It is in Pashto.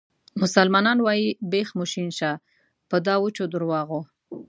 مسلمانان وایي بیخ مو شین شه په دا وچو درواغو.